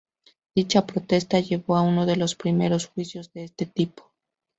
Dicha protesta llevó a uno de los primeros juicios de este tipo.